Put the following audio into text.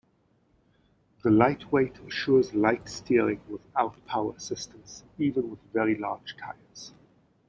The light weight assures light steering without power assistance, even with very large tyres.